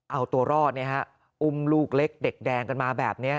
เอาตัวรอดอุ้มลูกเล็กเด็กแดงกันมาแบบนี้